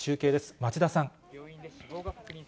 町田さん。